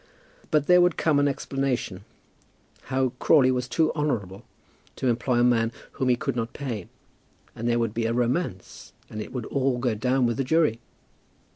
But there would come an explanation, how Crawley was too honourable to employ a man whom he could not pay, and there would be a romance, and it would all go down with the jury.